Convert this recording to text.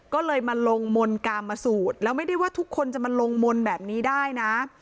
ก็เลยมาลงมนต์กรรมสูตรแล้วไม่ได้ว่าทุกคนจะมาลงมนต์แบบนี้ได้นะ